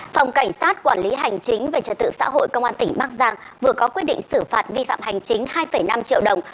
phòng cảnh sát quản lý hành chính về trật tự xã hội công an tỉnh bắc giang vừa có quyết định xử phạt vi phạm hành chính hai năm triệu đồng